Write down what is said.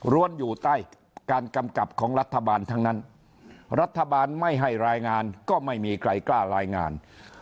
วนอยู่ใต้การกำกับของรัฐบาลทั้งนั้นรัฐบาลไม่ให้รายงานก็ไม่มีใครกล้ารายงาน